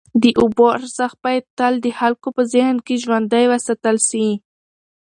د اوبو ارزښت باید تل د خلکو په ذهن کي ژوندی وساتل سي.